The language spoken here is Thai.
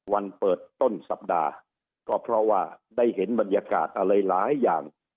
วันเปิดต้นสัปดาห์ก็เพราะว่าได้เห็นบรรยากาศอะไรหลายอย่าง